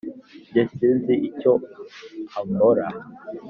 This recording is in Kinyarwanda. njye sinzi icyo ambora